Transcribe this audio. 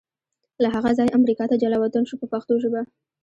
له هغه ځایه امریکا ته جلا وطن شو په پښتو ژبه.